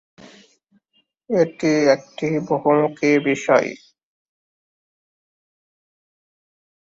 এটি একটি বহুমুখী বিষয়।